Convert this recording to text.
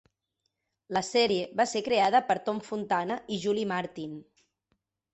La sèrie va ser creada per Tom Fontana i Julie Martin.